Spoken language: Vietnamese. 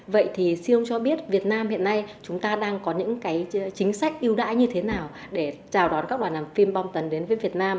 vậy thì siêu ông cho biết việt nam hiện nay chúng ta đang có những cái chính sách ưu đãi như thế nào để chào đón các đoàn làm phim bong tần đến với việt nam